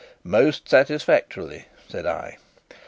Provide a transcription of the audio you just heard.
"Most satisfactorily," said I.